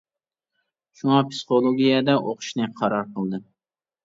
شۇڭا پىسخولوگىيە دە ئوقۇشنى قارار قىلدىم.